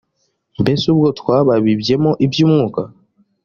mbese ubwo twababibyemo iby umwuka